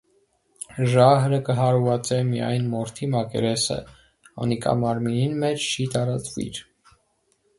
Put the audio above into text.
Ժահրը կը հարուածէ միայն մորթի մակերեսը, անիկա մարմինին մէջ չի տարածուիր։